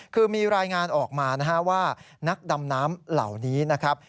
คือมีรายงานออกมานะฮะว่านักดำน้ำเหล่านี้นะครับ